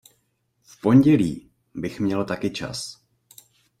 V pondělí bych měl taky čas.